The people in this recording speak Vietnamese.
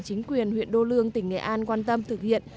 chính quyền huyện đô lương tỉnh nghệ an quan tâm thực hiện